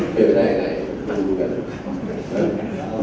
เก้วไปได้ไหนมั่นดูกันนะครับ